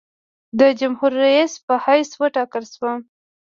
د جمهورریس په حیث وټاکل شوم.